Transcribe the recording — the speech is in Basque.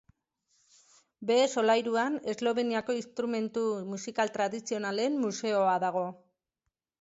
Behe solairuan Esloveniako instrumentu musikal tradizionalen museoa dago.